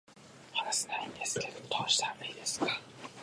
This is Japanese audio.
話せないんですけど、どうしたらいいですか